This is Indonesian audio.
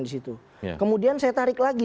di situ kemudian saya tarik lagi